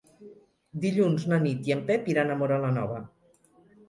Dilluns na Nit i en Pep iran a Móra la Nova.